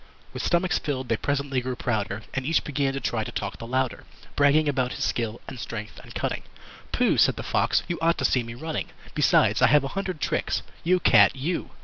With stomachs filled, they presently grew prouder, And each began to try to talk the louder Bragging about his skill, and strength, and cunning. "Pooh!" said the Fox. "You ought to see me running. Besides, I have a hundred tricks. You Cat, you!